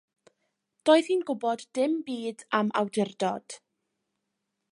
Doedd hi'n gwybod dim byd am awdurdod.